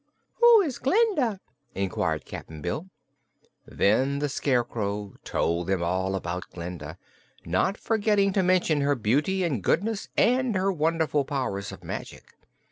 "Who is Glinda?" inquired Cap'n Bill. Then the Scarecrow told them all about Glinda, not forgetting to mention her beauty and goodness and her wonderful powers of magic.